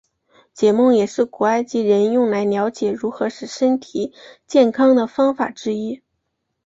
解梦也是古埃及人用来瞭解如何使身体健康的方法之一。